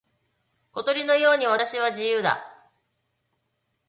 小鳥のように私は自由だ。